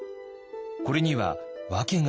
これには訳があるといいます。